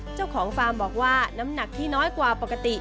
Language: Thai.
เจ้าของฟาร์มบอกว่าน้ำหนักที่น้อยกว่าปกติ